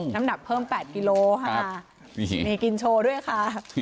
น้ำหนักเพิ่ม๘กิโลค่ะนี่กินโชว์ด้วยค่ะ